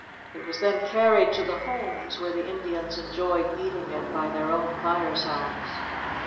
It was then carried to the homes, where the Indians enjoyed eating it by their own firesides.